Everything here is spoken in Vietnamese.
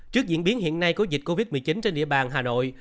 trước diễn biến hiện nay của dịch covid một mươi chín trên địa bàn hà nội